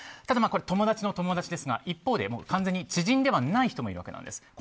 ただ、これは友達の友達ですが一方で知人ではない人もいるわけです。